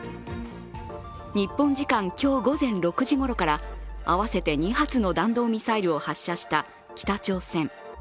日本時間今日午前６時ごろから合わせて２発の弾道ミサイルを発射した北朝鮮。